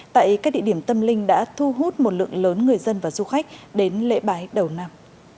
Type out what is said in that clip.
tại các địa điểm tâm linh đã thu hút một lượng lớn người dân và du khách đến lễ bái đầu năm